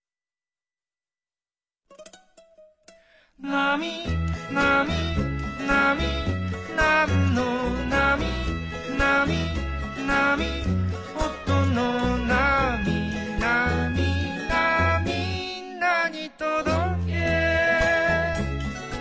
「なみなみなみなんのなみ」「なみなみなみおとのなみ」「なみなみなみんなにとどけ！」